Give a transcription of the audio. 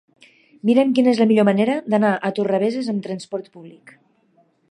Mira'm quina és la millor manera d'anar a Torrebesses amb trasport públic.